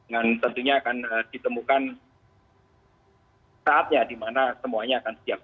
dan tentunya akan ditemukan saatnya dimana semuanya akan siap